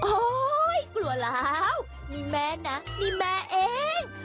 โอ้ยกลัวแล้วมีแม่นะมีแม่เอง